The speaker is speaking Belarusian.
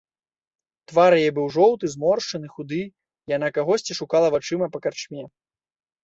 Твар яе быў жоўты, зморшчаны, худы, яна кагосьці шукала вачыма па карчме.